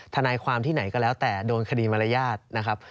ตั้งแต่โดนคดีมารยาทนะครับ